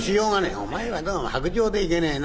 「お前はどうも薄情でいけねえなぁ。